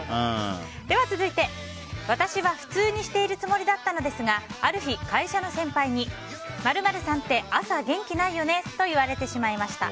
では続いて、私は普通にしているつもりだったのですがある日、会社の先輩に○○さんって朝元気ないよねと言われてしまいました。